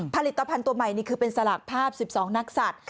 ผลิตภัณฑ์ตัวใหม่นี่คือเป็นสลากภาพ๑๒นักศัตริย์